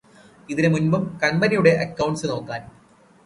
ഇതിന് മുമ്പും കമ്പനിയുടെ അക്കൗണ്ട്സ് നോക്കാൻ